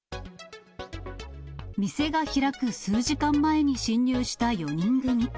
店が開く数時間前に侵入した４人組。